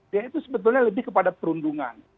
dia itu sebetulnya lebih kepada perundungan